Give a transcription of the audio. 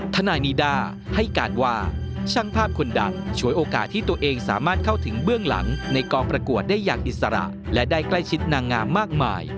ทนายนีดาให้การว่าช่างภาพคนดังช่วยโอกาสที่ตัวเองสามารถเข้าถึงเบื้องหลังในกองประกวดได้อย่างอิสระและได้ใกล้ชิดนางงามมากมาย